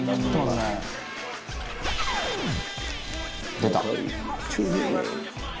「出た」